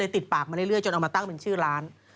ติดปากมาเรื่อยจนเอามาตั้งเป็นชื่อร้าน